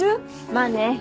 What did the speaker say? まあね。